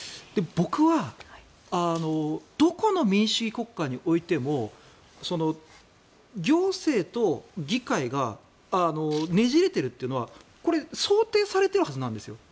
僕はどこの民主主義国家においても行政と議会がねじれているというのはこれ想定されているはずなんですよ。